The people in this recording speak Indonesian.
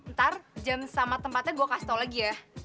ntar jam sama tempatnya gue kasih tau lagi ya